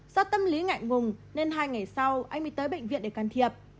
do tâm lý ngại ngùng nên hai ngày sau anh mới tới bệnh viện để can thiệp